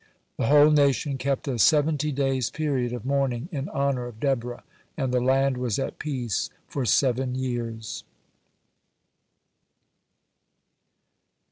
The whole nation kept a seventy days' period of mourning in honor of Deborah, and the land was at peace for seven years.